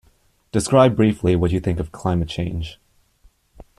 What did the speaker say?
Describe briefly what you think of climate change?